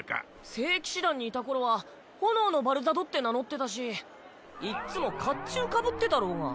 聖騎士団にいたころは炎のバルザドって名乗ってたしいっつも甲冑かぶってたろうが。